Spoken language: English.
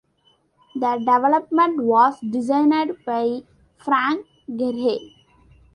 The development was designed by Frank Gehry.